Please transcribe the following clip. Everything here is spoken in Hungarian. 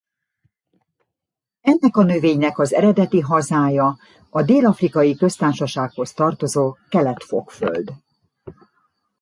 Ennek a növénynek az eredeti hazája a Dél-afrikai Köztársasághoz tartozó Kelet-Fokföld.